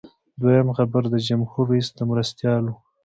دویم خبر د جمهور رئیس د مرستیال و.